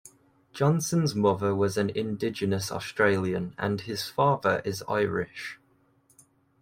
Johnson's mother was an Indigenous Australian and his father is Irish.